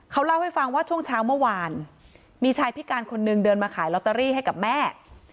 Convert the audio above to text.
เขาเล่าให้ฟังว่าช่วงเช้าเมื่อวานมีชายพิการคนนึงเดินมาขายลอตเตอรี่ให้กับแม่